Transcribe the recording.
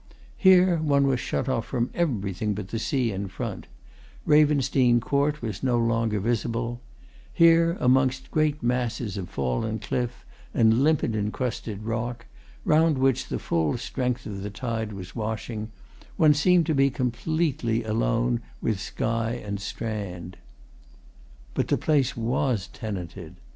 Here one was shut out from everything but the sea in front: Ravensdene Court was no longer visible; here, amongst great masses of fallen cliff and limpet encrusted rock, round which the full strength of the tide was washing, one seemed to be completely alone with sky and strand. But the place was tenanted.